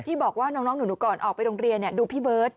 ที่บอกว่าน้องหนูก่อนออกไปโรงเรียนดูพี่เบิร์ต